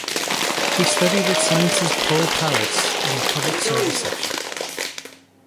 He studied at Sciences Po Paris in the Public service section.